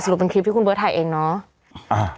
เป็นคลิปที่คุณเบิร์ตถ่ายเองเนาะ